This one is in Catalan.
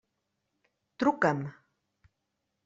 Truca'm.